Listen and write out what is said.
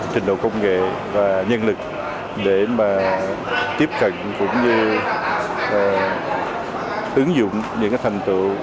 trình độ công nghệ và nhân lực để mà tiếp cận cũng như ứng dụng những thành tựu